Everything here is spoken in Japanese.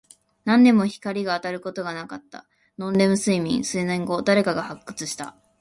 何年も光が当たることなかった。ノンレム睡眠。数年後、誰かが発掘した。